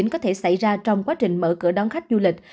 có thể xảy ra trong quá trình mở cửa đón khách du lịch